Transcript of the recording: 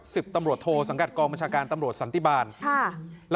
สังกัดกรองประชาการตำรวจสันติบาลครับ